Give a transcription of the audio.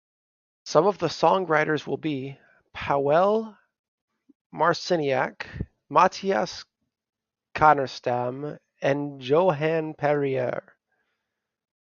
Some of the songwriters will be: Pawel Marciniak, Mattias Canerstam and Johann Perrier.